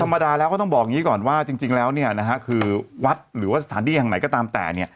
ธรรมดาแล้วก็ต้องบอกอย่างนี้ก่อนว่าจริงแล้วคือวัดหรือว่าสถานที่แห่งไหนก็ตามแต่